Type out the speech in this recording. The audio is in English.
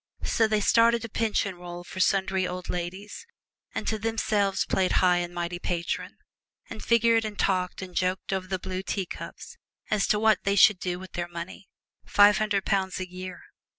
So they started a pension roll for sundry old ladies, and to themselves played high and mighty patron, and figured and talked and joked over the blue teacups as to what they should do with their money five hundred pounds a year!